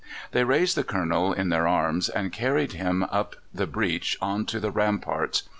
They raised the Colonel in their arms and carried him up the breach on to the ramparts.